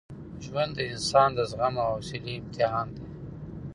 ژوند د انسان د زغم او حوصلې امتحان دی.